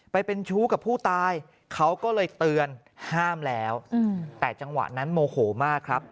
ไปเป็นชู้กับผู้ตายเขาก็เลยเตือนห้ามแล้วแต่จังหวะนั้นโมโหมากครับ